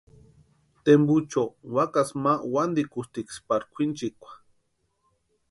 Tempucho wakasï ma wantikutiksï pari kwʼinchekwa.